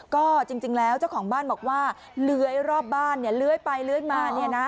ก็จริงแล้วเจ้าของบ้านบอกว่าเลื้อยรอบบ้านเนี่ยเลื้อยไปเลื้อยมาเนี่ยนะ